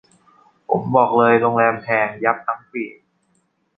ผมบอกเลยโรงแรมแพงยับทั้งปี